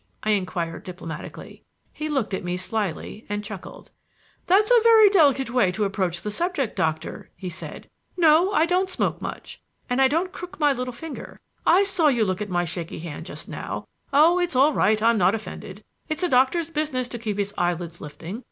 I inquired diplomatically. He looked at me slyly and chuckled. "That's a very delicate way to approach the subject, Doctor," he said. "No, I don't smoke much, and I don't crook my little finger. I saw you look at my shaky hand just now oh, it's all right; I'm not offended. It's a doctor's business to keep his eyelids lifting.